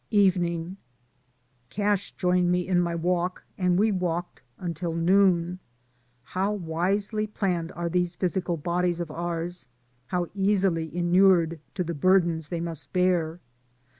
Evening. Cash joined me in my walk, and we walked until noon. How wisely planned are these physical bodies of ours, how easily in ured to the burdens they must bear.